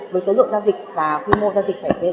với số lượng giao dịch và quy mô giao dịch